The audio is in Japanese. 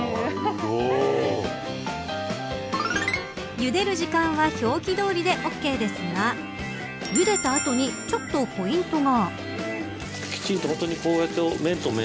ゆでる時間は表記どおりでオーケーですがゆでた後にちょっとポイントが。